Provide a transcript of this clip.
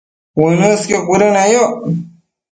uënësqio cuëdëneyoc